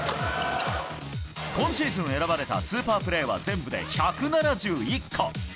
今シーズン選ばれたスーパープレーは全部で１７１個。